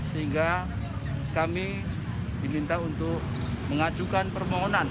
sehingga kami diminta untuk mengajukan permohonan